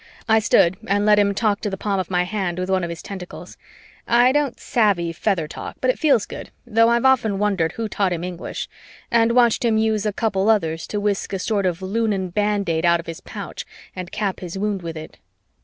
I stood and let him talk to the palm of my hand with one of his tentacles I don't savvy feather talk but it feels good, though I've often wondered who taught him English and watched him use a couple others to whisk a sort of Lunan band aid out of his pouch and cap his wound with it.